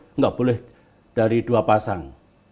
tidak boleh dari dua pasang